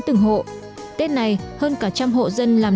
từng hộ tết này hơn cả trăm hộ dân làm